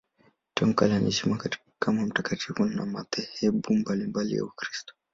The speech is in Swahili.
Tangu kale anaheshimiwa kama mtakatifu na madhehebu mbalimbali ya Ukristo.